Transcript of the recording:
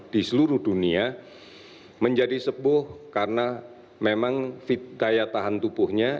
di seluruh dunia menjadi sepuh karena memang daya tahan tubuhnya